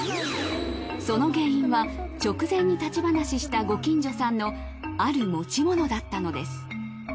その原因は直前に立ち話したご近所さんのある持ち物だったのです。